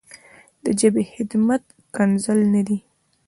د ژبې خدمت ښکنځل نه دي.